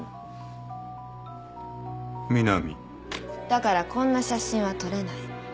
だからこんな写真は撮れない。